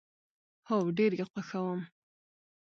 هو، ډیر یي خوښوم